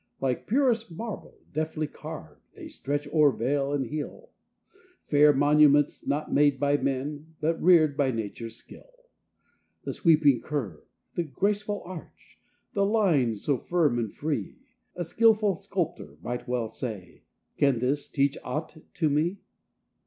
Like purest marble, deftly carv'd, They stretch o'er vale and hill, Fair monuments, not made by man, But rear'd by nature's skill. The sweeping curve, the graceful arch, The line so firm and free; A skilful sculptor well might say: "Can this teach aught to me?"